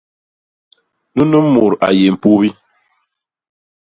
Nunu mut a yé mpubi.